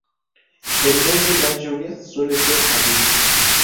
El mes de más lluvias suele ser abril.